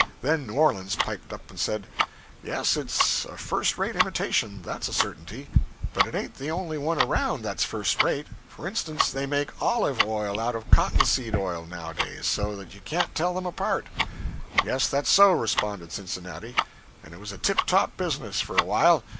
Then New Orleans piped up and said Yes, it's a first rate imitation, that's a certainty; but it ain't the only one around that's first rate. For instance, they make olive oil out of cotton seed oil, nowadays, so that you can't tell them apart.' 'Yes, that's so,' responded Cincinnati, 'and it was a tip top business for a while.